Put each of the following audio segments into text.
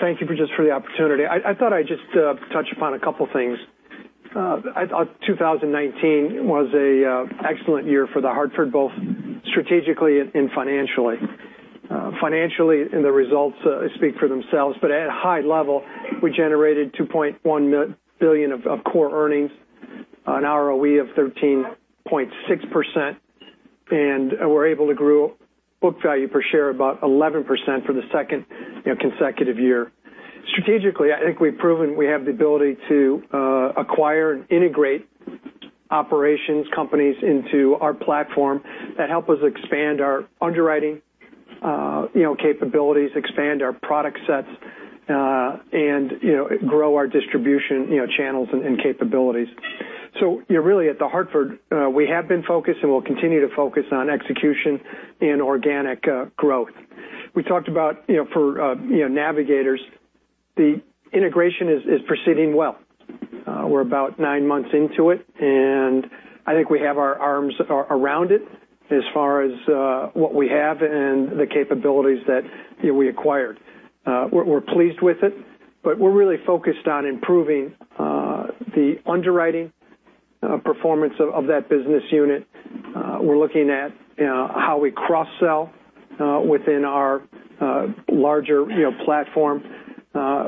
Thank you for the opportunity. I thought I'd just touch upon a couple things. 2019 was an excellent year for The Hartford, both strategically and financially. Financially, the results speak for themselves, but at a high level, we generated $2.1 billion of core earnings on ROE of 13.6%, and we're able to grow book value per share about 11% for the second consecutive year. Strategically, I think we've proven we have the ability to acquire and integrate operations companies into our platform that help us expand our underwriting capabilities, expand our product sets, and grow our distribution channels and capabilities. Really at The Hartford, we have been focused, and we'll continue to focus on execution and organic growth. We talked about for Navigators, the integration is proceeding well. We're about nine months into it, and I think we have our arms around it as far as what we have and the capabilities that we acquired. We're pleased with it, but we're really focused on improving the underwriting performance of that business unit. We're looking at how we cross-sell within our larger platform.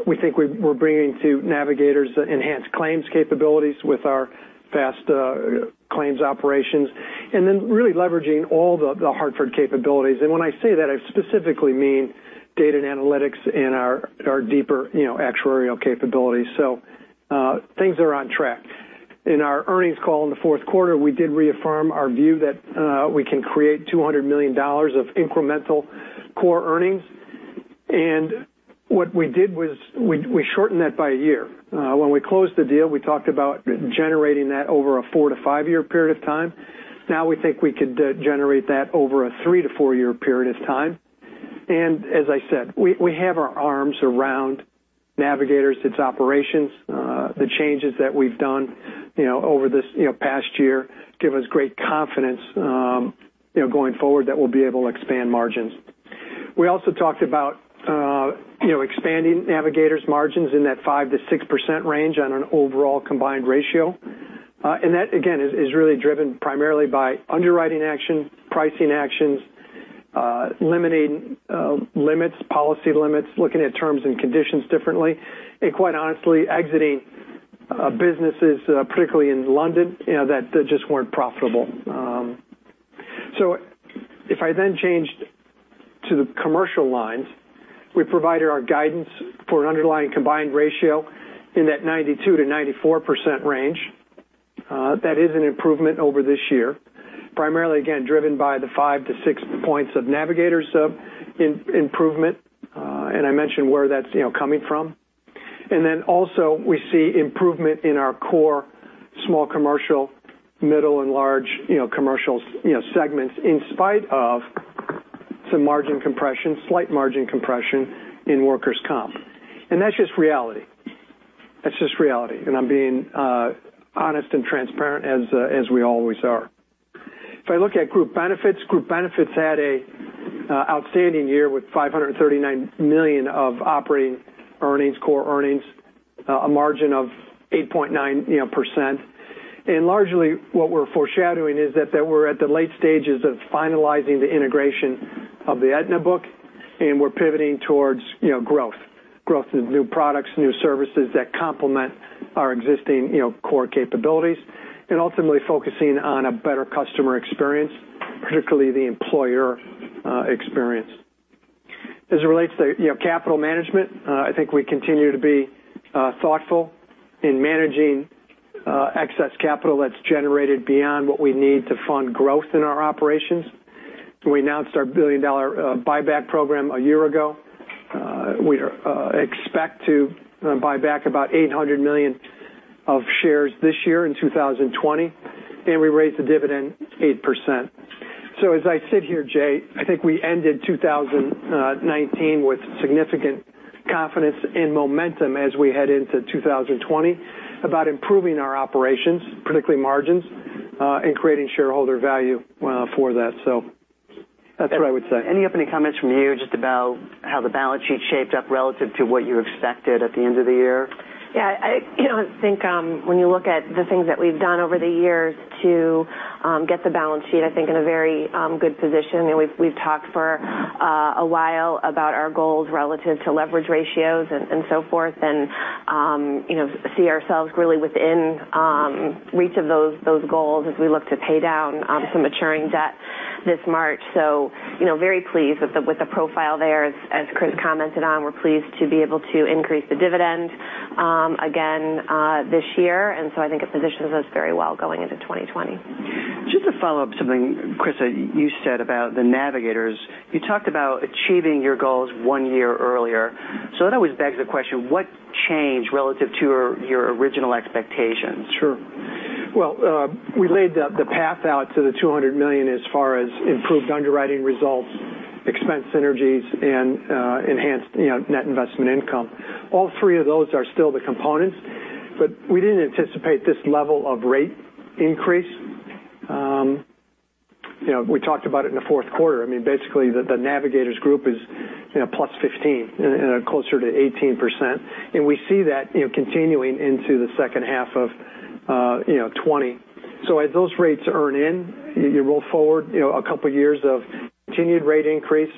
We think we're bringing to Navigators enhanced claims capabilities with our fast claims operations, and then really leveraging all The Hartford capabilities. When I say that, I specifically mean data and analytics in our deeper actuarial capabilities. Things are on track. In our earnings call in the fourth quarter, we did reaffirm our view that we can create $200 million of incremental core earnings. What we did was we shortened that by a year. When we closed the deal, we talked about generating that over a four-to-five year period of time. Now we think we could generate that over a three-to-four-year period of time. As I said, we have our arms around Navigators, its operations. The changes that we've done over this past year give us great confidence going forward that we'll be able to expand margins. We also talked about expanding Navigators' margins in that 5%-6% range on an overall combined ratio. That, again, is really driven primarily by underwriting action, pricing actions, limiting policy limits, looking at terms and conditions differently. Quite honestly, exiting businesses, particularly in London, that just weren't profitable. If I then changed to the commercial lines, we provided our guidance for an underlying combined ratio in that 92%-94% range. That is an improvement over this year, primarily, again, driven by the five to six points of Navigators improvement. I mentioned where that's coming from. Also we see improvement in our core small commercial, middle, and large commercial segments, in spite of some margin compression, slight margin compression in workers' comp. That's just reality. That's just reality. I'm being honest and transparent as we always are. If I look at group benefits, group benefits had an outstanding year with $539 million of operating earnings, core earnings, a margin of 8.9%. Largely what we're foreshadowing is that we're at the late stages of finalizing the integration of the Aetna book, and we're pivoting towards growth in new products, new services that complement our existing core capabilities, and ultimately focusing on a better customer experience, particularly the employer experience. As it relates to capital management, I think we continue to be thoughtful in managing excess capital that's generated beyond what we need to fund growth in our operations. We announced our billion-dollar buyback program a year ago. We expect to buy back about $800 million of shares this year in 2020, and we raised the dividend 8%. As I sit here, Jay, I think we ended 2019 with significant confidence and momentum as we head into 2020 about improving our operations, particularly margins, and creating shareholder value for that. That's what I would say. Any opening comments from you just about how the balance sheet shaped up relative to what you expected at the end of the year? I think when you look at the things that we've done over the years to get the balance sheet, I think in a very good position. We've talked for a while about our goals relative to leverage ratios and so forth, and see ourselves really within reach of those goals as we look to pay down some maturing debt this March. Very pleased with the profile there. As Chris commented on, we're pleased to be able to increase the dividend again this year, I think it positions us very well going into 2020. Just to follow up something, Chris, you said about the Navigators. You talked about achieving your goals one year earlier. That always begs the question, what changed relative to your original expectations? Well, we laid the path out to the $200 million as far as improved underwriting results, expense synergies, and enhanced net investment income. All three of those are still the components, but we didn't anticipate this level of rate increase. We talked about it in the fourth quarter. Basically, the Navigators Group is plus 15%, closer to 18%, and we see that continuing into the second half of 2020. As those rates earn in, you roll forward a couple of years of continued rate increase.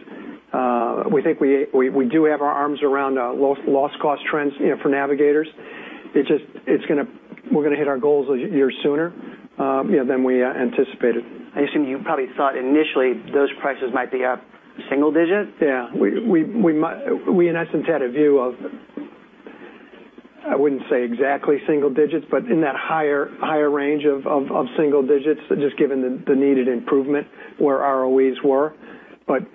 We think we do have our arms around loss cost trends for Navigators. We're going to hit our goals a year sooner than we anticipated. I assume you probably thought initially those prices might be up single digit? Yeah. We, in essence, had a view of, I wouldn't say exactly single digits, but in that higher range of single digits, just given the needed improvement where ROEs were.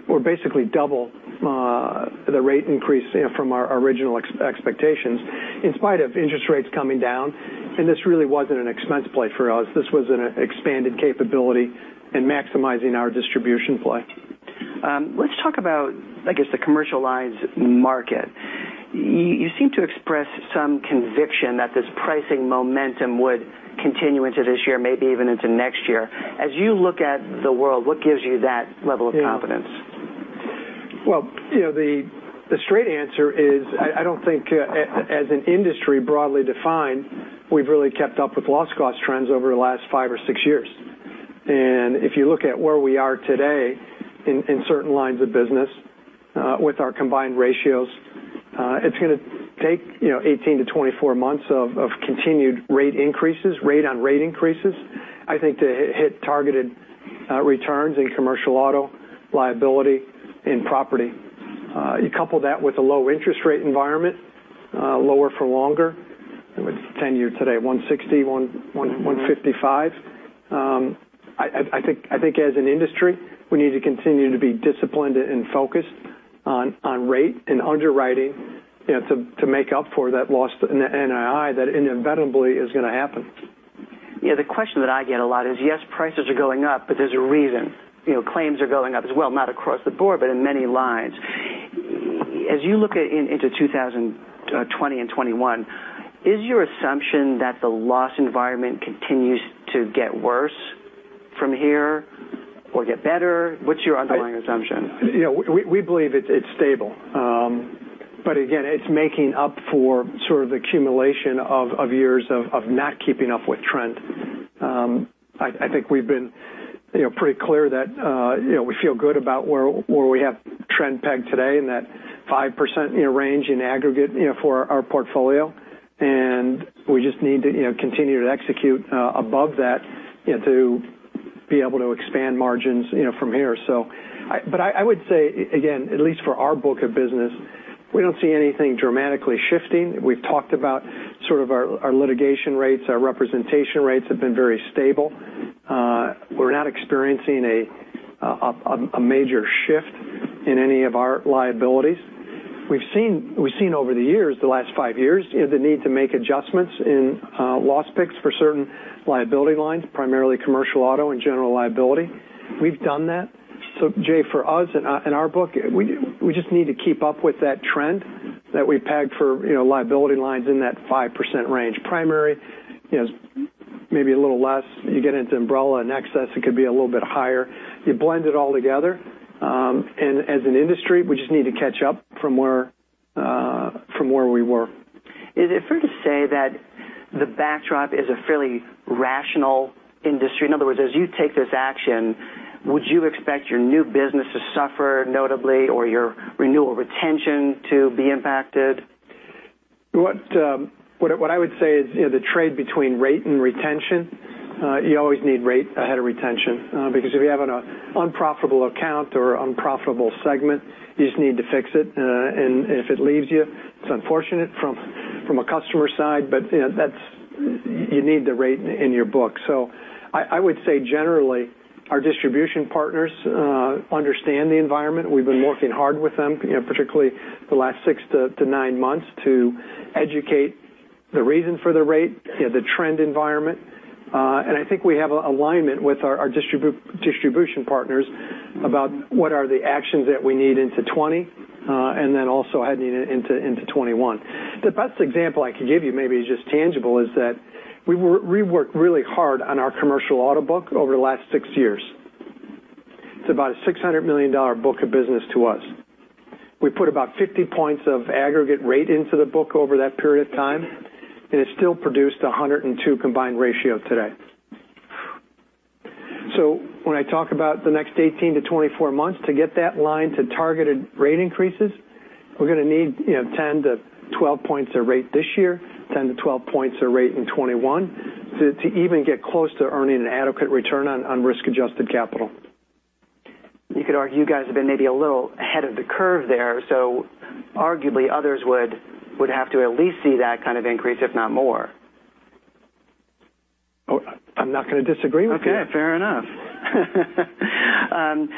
We're basically double the rate increase from our original expectations, in spite of interest rates coming down, and this really wasn't an expense play for us. This was an expanded capability in maximizing our distribution play. Let's talk about, I guess, the commercial lines market. You seem to express some conviction that this pricing momentum would continue into this year, maybe even into next year. As you look at the world, what gives you that level of confidence? Well, the straight answer is, I don't think as an industry broadly defined, we've really kept up with loss cost trends over the last five or six years. If you look at where we are today in certain lines of business with our combined ratios, it's going to take 18-24 months of continued rate increases, rate-on-rate increases, I think, to hit targeted returns in commercial auto, liability, and property. You couple that with a low interest rate environment, lower for longer, with 10-year today at 160, 155. I think as an industry, we need to continue to be disciplined and focused on rate and underwriting to make up for that loss in NII that inevitably is going to happen. Yeah, the question that I get a lot is, yes, prices are going up, but there's a reason. Claims are going up as well, not across the board, but in many lines. As you look into 2020 and 2021, is your assumption that the loss environment continues to get worse from here or get better? What's your underlying assumption? We believe it's stable. Again, it's making up for sort of accumulation of years of not keeping up with trend. I think we've been pretty clear that we feel good about where we have trend pegged today in that 5% range in aggregate for our portfolio. We just need to continue to execute above that to be able to expand margins from here. I would say, again, at least for our book of business, we don't see anything dramatically shifting. We've talked about our litigation rates, our representation rates have been very stable. We're not experiencing a major shift in any of our liabilities. We've seen over the years, the last five years, the need to make adjustments in loss picks for certain liability lines, primarily commercial auto and general liability. We've done that. Jay, for us in our book, we just need to keep up with that trend that we've pegged for liability lines in that 5% range. Primary, maybe a little less. You get into umbrella and excess, it could be a little bit higher. You blend it all together, as an industry, we just need to catch up from where we were. Is it fair to say that the backdrop is a fairly rational industry? In other words, as you take this action, would you expect your new business to suffer notably or your renewal retention to be impacted? What I would say is the trade between rate and retention, you always need rate ahead of retention because if you have an unprofitable account or unprofitable segment, you just need to fix it. If it leaves you, it's unfortunate from a customer side, but you need the rate in your book. I would say generally, our distribution partners understand the environment. We've been working hard with them, particularly the last six to nine months, to educate the reason for the rate, the trend environment. I think we have alignment with our distribution partners about what are the actions that we need into 2020, then also heading into 2021. The best example I could give you, maybe just tangible, is that we worked really hard on our commercial auto book over the last six years. It's about a $600 million book of business to us. We put about 50 points of aggregate rate into the book over that period of time, it still produced 102 combined ratio today. When I talk about the next 18-24 months to get that line to targeted rate increases, we're going to need 10-12 points of rate this year, 10-12 points of rate in 2021 to even get close to earning an adequate return on risk-adjusted capital. You could argue you guys have been maybe a little ahead of the curve there, arguably others would have to at least see that kind of increase, if not more. I'm not going to disagree with you. Okay, fair enough.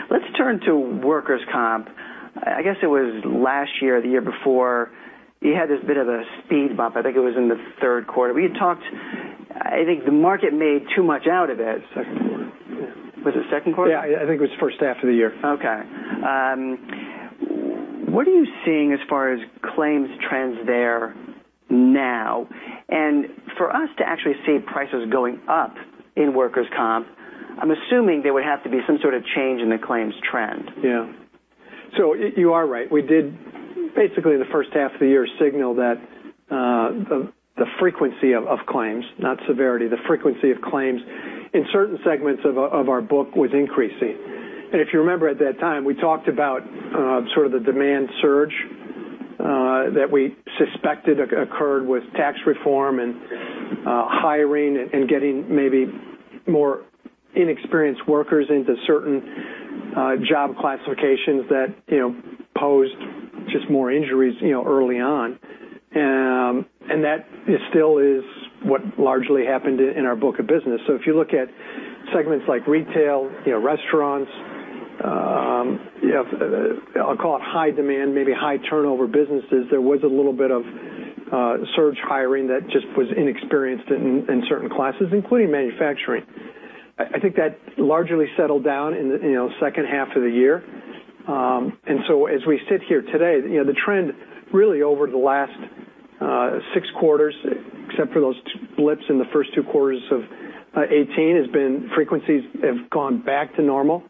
Let's turn to workers' comp. I guess it was last year or the year before, you had this bit of a speed bump. I think it was in the third quarter. We had talked, I think the market made too much out of it. Second quarter. Was it second quarter? Yeah, I think it was first half of the year. Okay. What are you seeing as far as claims trends there now? For us to actually see prices going up in workers' comp, I'm assuming there would have to be some sort of change in the claims trend. Yeah. You are right. We did basically in the first half of the year signal that the frequency of claims, not severity, the frequency of claims in certain segments of our book was increasing. If you remember at that time, we talked about sort of the demand surge that we suspected occurred with tax reform and hiring and getting maybe more inexperienced workers into certain job classifications that posed just more injuries early on. That still is what largely happened in our book of business. If you look at segments like retail, restaurants, I'll call it high demand, maybe high turnover businesses, there was a little bit of surge hiring that just was inexperienced in certain classes, including manufacturing. I think that largely settled down in the second half of the year. As we sit here today, the trend really over the last six quarters, except for those blips in the first two quarters of 2018, frequencies have gone back to normal,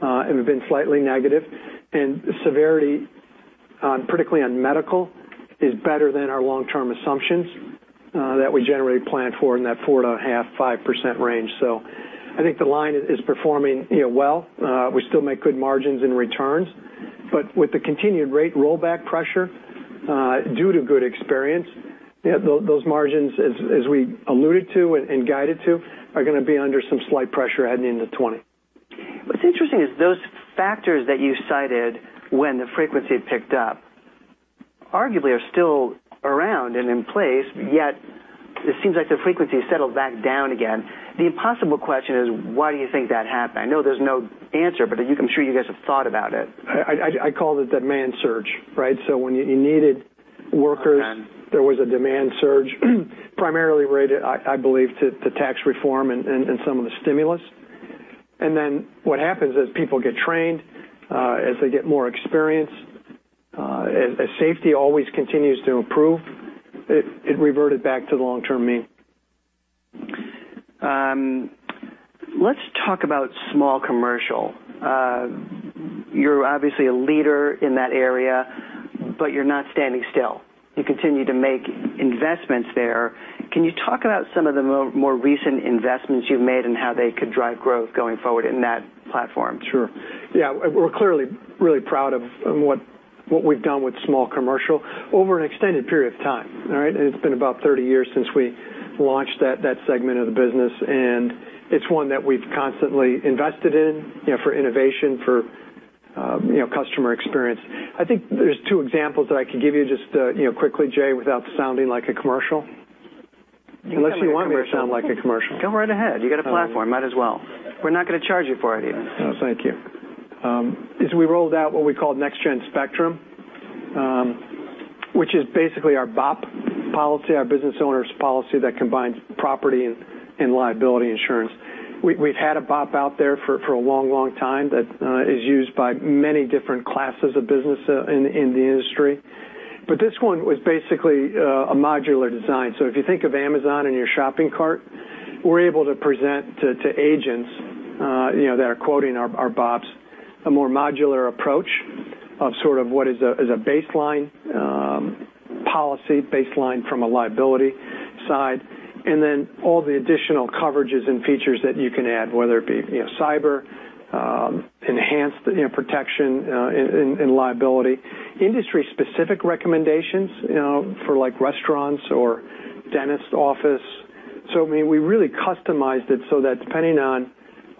have been slightly negative, and severity, particularly on medical, is better than our long-term assumptions that we generally plan for in that 4.5%, 5% range. I think the line is performing well. We still make good margins in returns, but with the continued rate rollback pressure due to good experience, those margins, as we alluded to and guided to, are going to be under some slight pressure heading into 2020. What's interesting is those factors that you cited when the frequency picked up arguably are still around and in place, yet it seems like the frequency has settled back down again. The impossible question is why do you think that happened? I know there's no answer, but I'm sure you guys have thought about it. I call it demand surge, right? When you needed workers- Okay There was a demand surge primarily related, I believe, to tax reform and some of the stimulus. What happens is people get trained as they get more experience, as safety always continues to improve, it reverted back to the long-term mean. Let's talk about small commercial. You're obviously a leader in that area, but you're not standing still. You continue to make investments there. Can you talk about some of the more recent investments you've made and how they could drive growth going forward in that platform? Sure. Yeah. We're clearly really proud of what we've done with small commercial over an extended period of time. All right. It's been about 30 years since we launched that segment of the business, and it's one that we've constantly invested in for innovation, for customer experience. I think there's two examples that I could give you just quickly, Jay, without sounding like a commercial. You can sound like a commercial. Unless you want me to sound like a commercial. Go right ahead. You got a platform, might as well. We're not going to charge you for it even. Oh, thank you. As we rolled out what we called Next Gen Spectrum, which is basically our BOP policy, our Business Owner's Policy that combines property and liability insurance. We've had a BOP out there for a long time that is used by many different classes of business in the industry. This one was basically a modular design. If you think of Amazon and your shopping cart, we're able to present to agents that are quoting our BOPs a more modular approach of sort of what is a baseline policy, baseline from a liability side, and then all the additional coverages and features that you can add, whether it be cyber, enhanced protection and liability, industry-specific recommendations for restaurants or dentist office. We really customized it so that depending on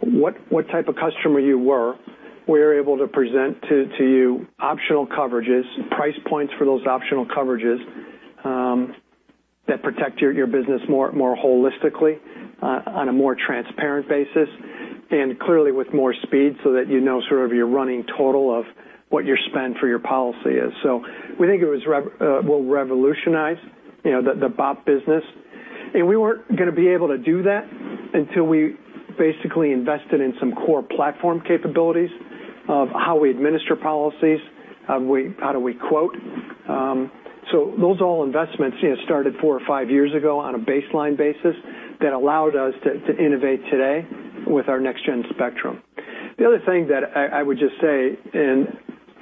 what type of customer you were, we're able to present to you optional coverages, price points for those optional coverages that protect your business more holistically on a more transparent basis, and clearly with more speed so that you know sort of your running total of what your spend for your policy is. We think it will revolutionize the BOP business. We weren't going to be able to do that until we basically invested in some core platform capabilities of how we administer policies, how do we quote. Those all investments started four or five years ago on a baseline basis that allowed us to innovate today with our Next Gen Spectrum. The other thing that I would just say, and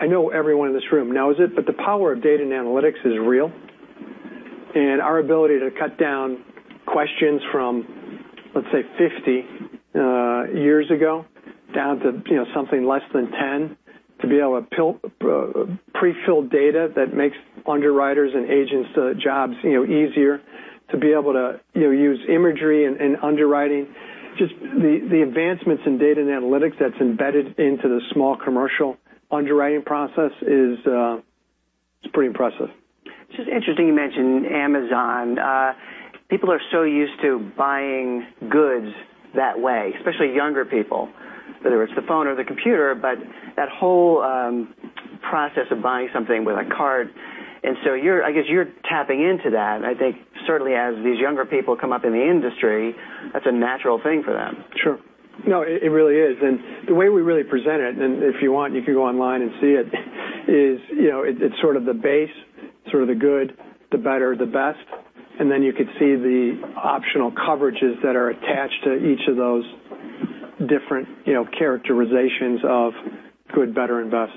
I know everyone in this room knows it, the power of data and analytics is real, and our ability to cut down questions from, let's say, 50 years ago down to something less than 10, to be able to pre-fill data that makes underwriters and agents' jobs easier, to be able to use imagery and underwriting. Just the advancements in data and analytics that's embedded into the small commercial underwriting process is pretty impressive. It's just interesting you mentioned Amazon. People are so used to buying goods that way, especially younger people, whether it's the phone or the computer, that whole process of buying something with a card. I guess you're tapping into that, and I think certainly as these younger people come up in the industry, that's a natural thing for them. Sure. No, it really is. The way we really present it, and if you want, you can go online and see it, is it's sort of the base, sort of the good, the better, the best. Then you could see the optional coverages that are attached to each of those different characterizations of good, better, and best.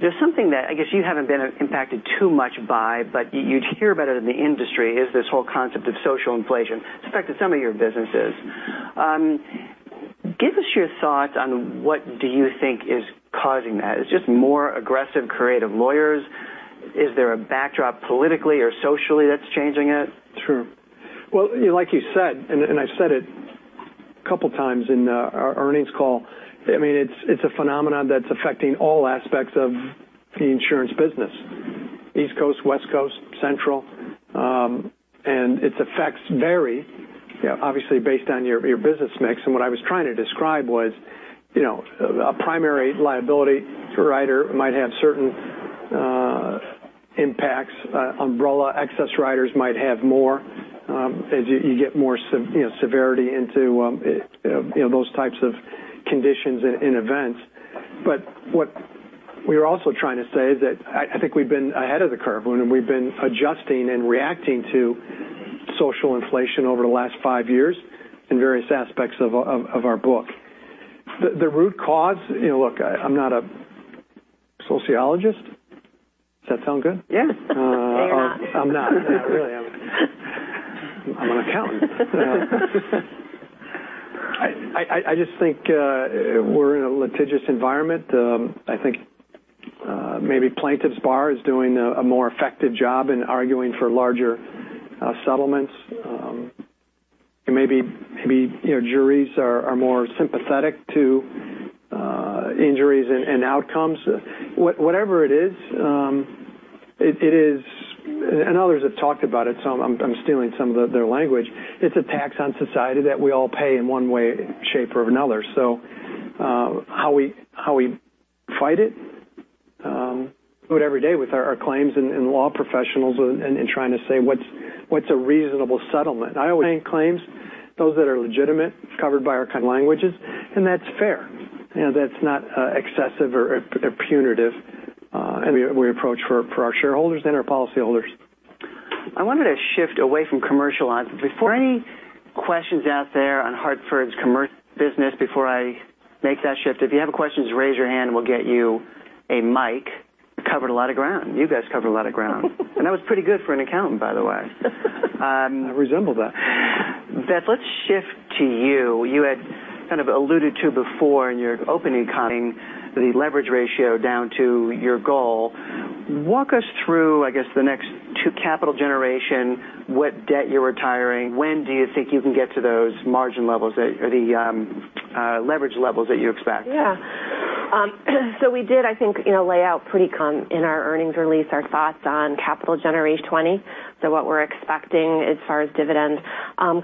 There's something that I guess you haven't been impacted too much by, you'd hear about it in the industry, is this whole concept of social inflation. It's affected some of your businesses. Give us your thoughts on what do you think is causing that. Is it just more aggressive, creative lawyers? Is there a backdrop politically or socially that's changing it? Sure. Well, like you said, I said it a couple times in our earnings call, it's a phenomenon that's affecting all aspects of the insurance business. East Coast, West Coast, Central. Its effects vary, obviously, based on your business mix. What I was trying to describe was a primary liability writer might have certain impacts. Umbrella excess writers might have more, as you get more severity into those types of conditions in events. What we were also trying to say is that I think we've been ahead of the curve when we've been adjusting and reacting to social inflation over the last five years in various aspects of our book. The root cause, look, I'm not a sociologist. Does that sound good? Yes. I'm not. Really, I'm an accountant. I just think we're in a litigious environment. I think maybe plaintiffs bar is doing a more effective job in arguing for larger settlements. Maybe juries are more sympathetic to injuries and outcomes. Whatever it is, others have talked about it, I'm stealing some of their language, it's a tax on society that we all pay in one way, shape, or another. How we fight it, we do it every day with our claims and law professionals in trying to say what's a reasonable settlement. I always think claims, those that are legitimate, covered by our kind of languages, that's fair. That's not excessive or punitive. We approach for our shareholders and our policyholders. I wanted to shift away from commercial lines. Before any questions out there on The Hartford's commercial business, before I make that shift, if you have a question, just raise your hand and we'll get you a mic. Covered a lot of ground. You guys covered a lot of ground. That was pretty good for an accountant, by the way. I resemble that. Beth, let's shift to you. You had kind of alluded to before in your opening, cutting the leverage ratio down to your goal. Walk us through, I guess, the next two capital generation, what debt you're retiring. When do you think you can get to those margin levels or the leverage levels that you expect? We did, I think, lay out pretty in our earnings release our thoughts on capital generation 2020. What we're expecting as far as dividend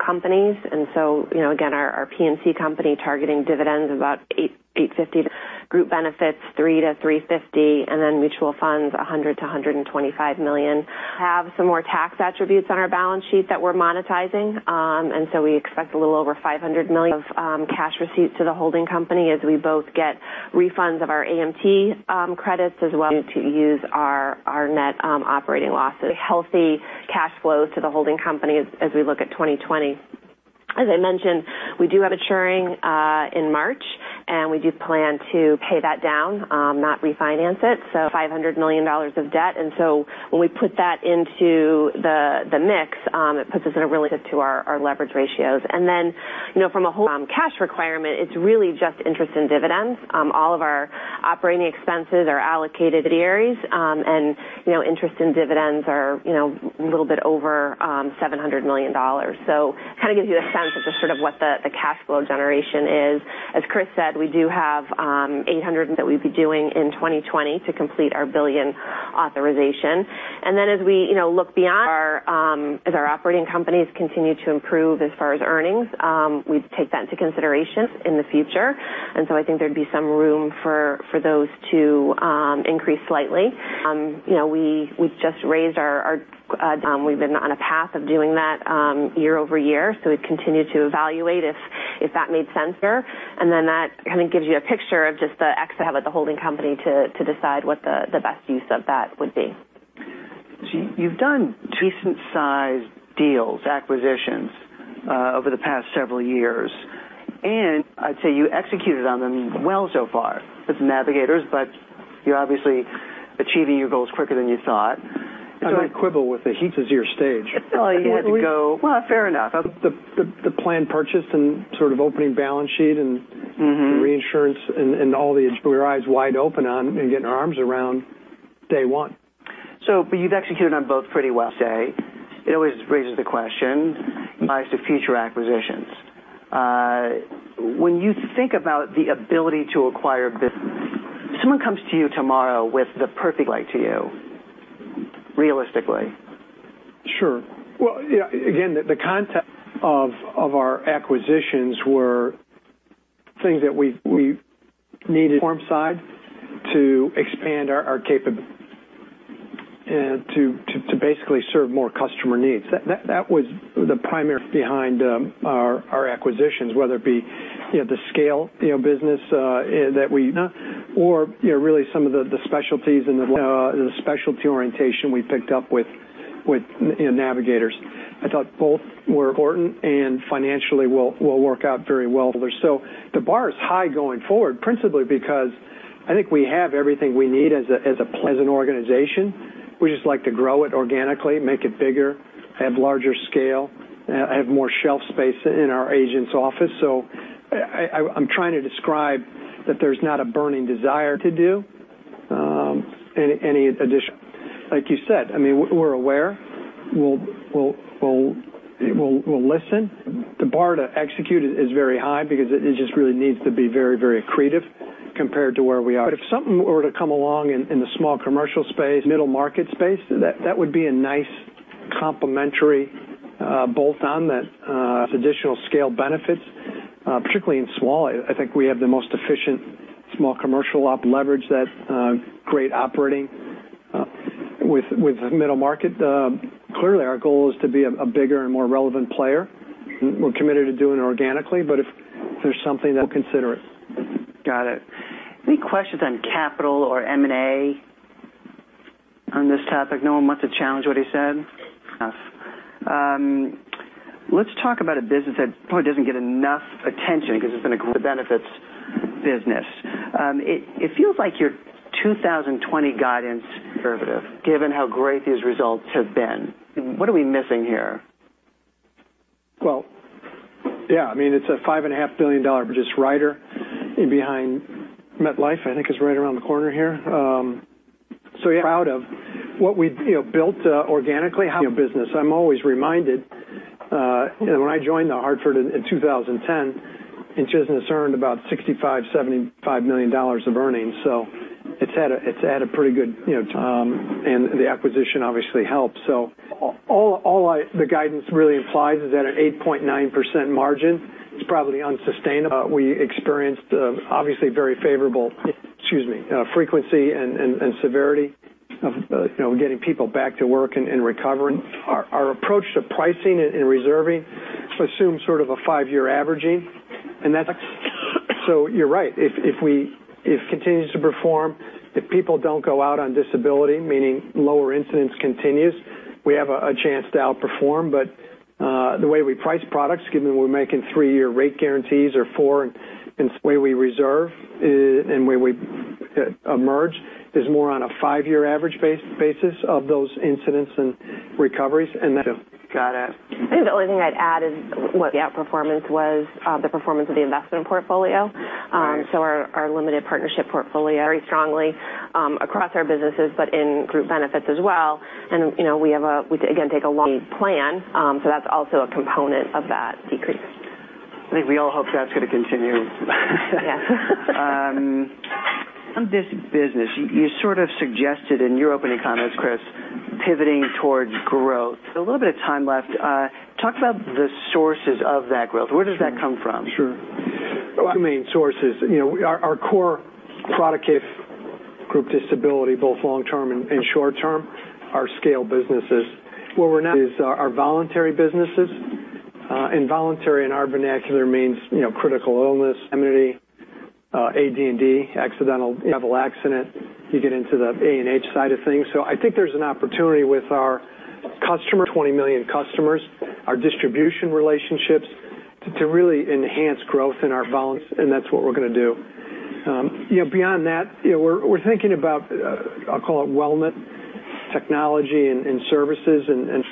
companies. Again, our P&C company targeting dividends about $800 million-$850 million. Group Benefits, $300 million-$350 million, and then Mutual Funds, $100 million-$125 million. Have some more tax attributes on our balance sheet that we're monetizing. We expect a little over $500 million of cash receipts to the holding company as we both get refunds of our AMT credits as well to use our net operating losses. Healthy cash flows to the holding company as we look at 2020. As I mentioned, we do have maturing in March, and we do plan to pay that down, not refinance it. $500 million of debt. When we put that into the mix, it puts us in a really to our leverage ratios. From a whole cash requirement, it's really just interest in dividends. All of our operating expenses are allocated to the areas, and interest in dividends are a little bit over $700 million. Kind of gives you a sense of just sort of what the cash flow generation is. As Chris said, we do have 800 that we'd be doing in 2020 to complete our billion authorization. As we look beyond, as our operating companies continue to improve as far as earnings, we take that into consideration in the future. I think there'd be some room for those to increase slightly. We've been on a path of doing that year-over-year, we'd continue to evaluate if that made sense here. That kind of gives you a picture of just theexcess at the holding company to decide what the best use of that would be. You've done decent sized deals, acquisitions over the past several years, and I'd say you executed on them well so far with Navigators, you're obviously achieving your goals quicker than you thought. I might quibble with the heat to your stage. Oh, you had to. Well, fair enough. The plan purchased and sort of opening balance sheet. reinsurance and all the eyes wide open on and getting our arms around day one. You've executed on both pretty well, say. It always raises the question as to future acquisitions. When you think about the ability to acquire business, someone comes to you tomorrow with the perfect fit to you, realistically. Sure. Again, the context of our acquisitions were things that we've needed firm side to expand our capability and to basically serve more customer needs. That was the primary behind our acquisitions, whether it be the scale business or really some of the specialties and the specialty orientation we picked up with Navigators. I thought both were important and financially will work out very well. The bar is high going forward, principally because I think we have everything we need as a present organization. We just like to grow it organically, make it bigger, have larger scale, have more shelf space in our agent's office. I'm trying to describe that there's not a burning desire to do any additional. Like you said, we're aware, we'll listen. The bar to execute is very high because it just really needs to be very accretive compared to where we are. If something were to come along in the small commercial space, middle market space, that would be a nice complementary bolt-on that has additional scale benefits, particularly in small. I think we have the most efficient small commercial operating leverage that great operating in middle market. Clearly, our goal is to be a bigger and more relevant player. We're committed to doing it organically, if there's something, we'll consider it. Got it. Any questions on capital or M&A on this topic? No one wants to challenge what he said? Enough. Let's talk about a business that probably doesn't get enough attention because it's been a group benefits business. It feels like your 2020 guidance is conservative, given how great these results have been. What are we missing here? Yeah. It's a $5.5 billion just rider behind MetLife, I think, is right around the corner here. Yeah, proud of what we've built organically. Business, I'm always reminded when I joined The Hartford in 2010, this business earned about $65 million-$75 million of earnings. It's at a pretty good time, and the acquisition obviously helped. All the guidance really implies is that an 8.9% margin is probably unsustainable. We experienced obviously very favorable, excuse me, frequency and severity of getting people back to work and recovering. Our approach to pricing and reserving assumes sort of a five-year averaging. You're right. If it continues to perform, if people don't go out on disability, meaning lower incidence continues, we have a chance to outperform. The way we price products, given we're making three-year rate guarantees or four, and the way we reserve and where we emerge is more on a five-year average basis of those incidents and recoveries. Got it. I think the only thing I'd add is what the outperformance was, the performance of the investment portfolio. Our limited partnership portfolio very strongly across our businesses, but in group benefits as well. We, again, take a long plan, so that's also a component of that decrease. I think we all hope that's going to continue. Yeah. On this business, you sort of suggested in your opening comments, Chris, pivoting towards growth. A little bit of time left. Talk about the sources of that growth. Where does that come from? Sure. Two main sources. Our core product is group disability, both long-term and short-term, our scale businesses. What we're now is our voluntary businesses. Voluntary in our vernacular means Critical Illness, indemnity, AD&D, accidental, travel accident. You get into the A&H side of things. I think there's an opportunity with our customer, 20 million customers, our distribution relationships, to really enhance growth in our volumes, and that's what we're going to do. Beyond that, we're thinking about, I'll call it wellness technology and services, and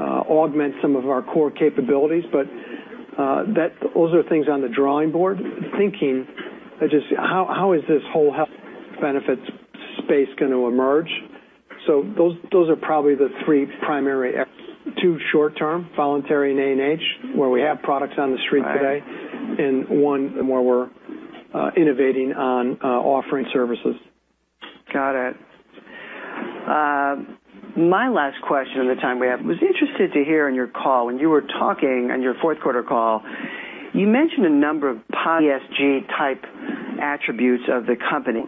augment some of our core capabilities. Those are things on the drawing board, thinking just how is this whole health benefits space going to emerge? Those are probably the three primary, two short-term, voluntary and A&H, where we have products on the street today, and one where we're innovating on offering services. Got it. My last question in the time we have, was interested to hear in your call when you were talking on your fourth quarter call, you mentioned a number of ESG-type attributes of the company.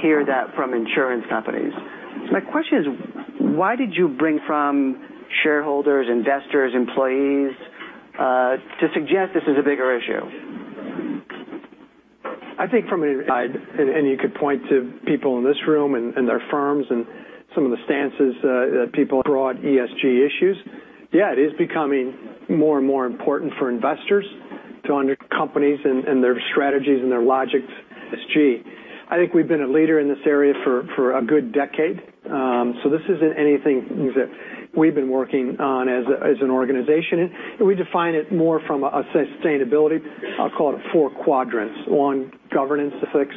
Hear that from insurance companies. My question is, why did you bring from shareholders, investors, employees, to suggest this is a bigger issue? I think from an inside, you could point to people in this room and their firms and some of the stances that people brought ESG issues. It is becoming more and more important for investors to understand companies and their strategies and their logic to ESG. I think we've been a leader in this area for a good decade. This isn't anything new that we've been working on as an organization. We define it more from a sustainability, I'll call it four quadrants. One, governance ethics.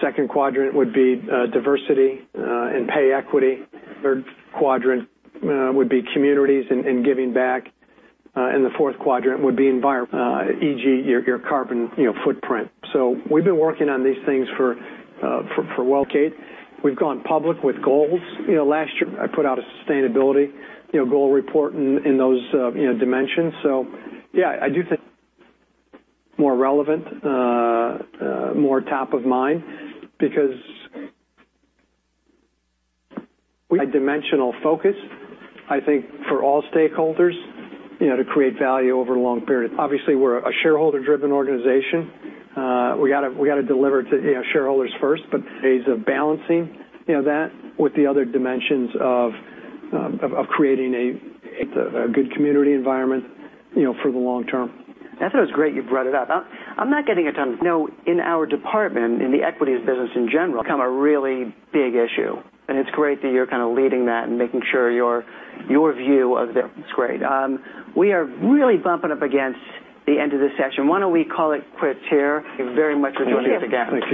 Second quadrant would be diversity and pay equity. Third quadrant would be communities and giving back. The Fourth quadrant would be environment, e.g., your carbon footprint. We've been working on these things for a while. We've gone public with goals. Last year, I put out a sustainability goal report in those dimensions. Yeah, I do think more relevant, more top of mind because we have a dimensional focus, I think, for all stakeholders to create value over a long period. Obviously, we're a shareholder-driven organization. We got to deliver to shareholders first, but phase of balancing that with the other dimensions of creating a good community environment for the long term. I thought it was great you brought it up. I'm not getting a ton. In our department, in the equities business in general, become a really big issue, and it's great that you're kind of leading that and making sure your view of that. It's great. We are really bumping up against the end of this session. Why don't we call it quits here? Thank you very much for joining us again.